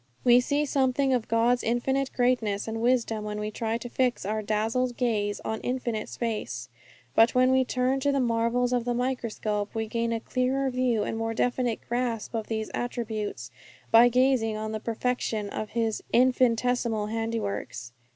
_' We see something of God's infinite greatness and wisdom when we try to fix our dazzled gaze on infinite space. But when we turn to the marvels of the microscope, we gain a clearer view and more definite grasp of these attributes by gazing on the perfection of His infinitesimal handiworks.